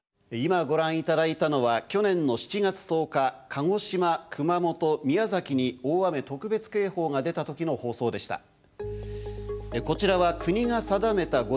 今ご覧頂いたのは去年の７月１０日鹿児島熊本宮崎に大雨特別警報が出た時の放送でした。